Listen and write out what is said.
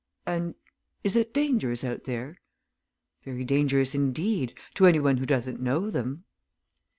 "And is it dangerous out there?" "Very dangerous indeed to any one who doesn't know them."